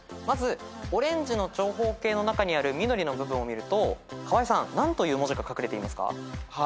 まずオレンジの長方形の中にある緑の部分を見ると河合さん何という文字が隠れていますか？